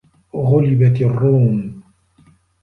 غُلِبَتِ الرّومُ